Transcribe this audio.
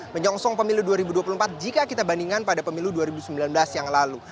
menyongsong pemilu dua ribu dua puluh empat jika kita bandingkan pada pemilu dua ribu sembilan belas yang lalu